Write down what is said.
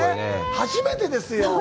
初めてですよ。